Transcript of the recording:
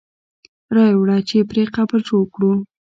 را یې وړه چې پرې قبر جوړ کړو.